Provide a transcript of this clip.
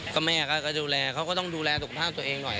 ก็แม่ก็ดูแลเขาก็ต้องดูแลสุขภาพตัวเองหน่อย